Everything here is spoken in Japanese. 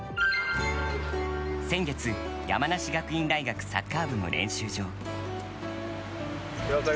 先月、山梨学院大学サッカー部の練習場。